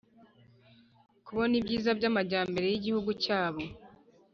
kubona ibyiza by’amajyambere y’igihugu cyabo